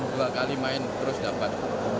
dua kali main terus dapat